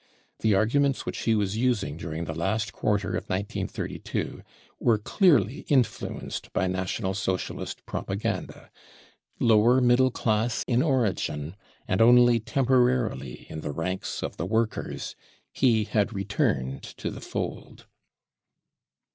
The arguments which he was using during the last quarter of 1932 were clearly influenced by National Socialist propaganda. Lower middle class in origin, and only temporarily in the ranks of r the workers, he had returned to the fold.